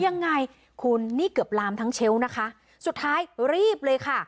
ยังไงคุณนี่เกือบลามทั้งเชลล์นะคะสุดท้ายรีบเลยค่ะ